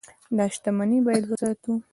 دا شتمني باید وساتو.